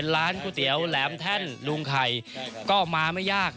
รูงไข่ก็มาไม่ยาก